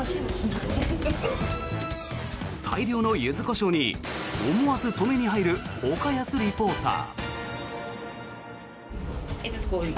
大量のユズコショウに思わず止めに入る岡安リポーター。